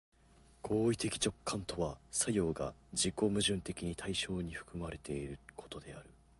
行為的直観とは作用が自己矛盾的に対象に含まれていることである。